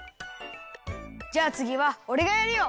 じゃあつぎはおれがやるよ！